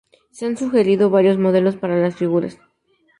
Se han sugerido varios modelos para las figuras.